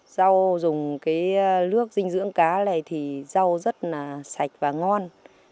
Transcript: rau dùng cái nước dinh dưỡng cá này thì rau rất là sạch và ngon